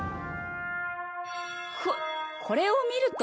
ここれを見ると？